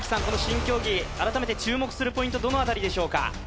この新競技改めて注目するポイントどの辺りでしょうか？